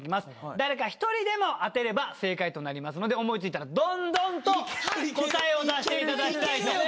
誰か１人でも当てれば正解となりますので思い付いたらどんどんと答えを出していただきたいと。